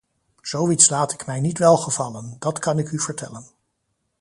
Zoiets laat ik mij niet welgevallen, dat kan ik u vertellen.